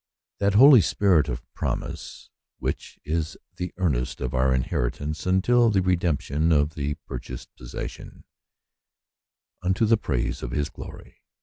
"That holy spirit of promise, which is the earnest of our inheritance until the redemption of the purchased posses sion, unto the praise of his glory."